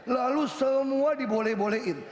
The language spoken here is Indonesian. lalu semua dibole bolein